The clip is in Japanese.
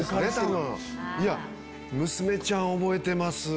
娘ちゃん覚えてます。